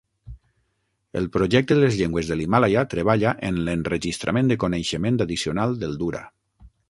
El Projecte de les Llengües de l'Himàlaia treballa en l'enregistrament de coneixement addicional del dura.